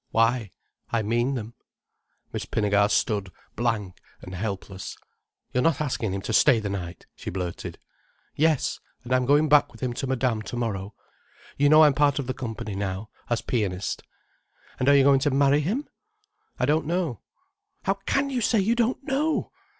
"Why? I mean them." Miss Pinnegar stood blank and helpless. "You're not asking him to stay the night," she blurted. "Yes. And I'm going back with him to Madame tomorrow. You know I'm part of the company now, as pianist." "And are you going to marry him?" "I don't know." "How can you say you don't know!